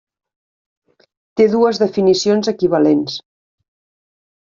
Té dues definicions equivalents.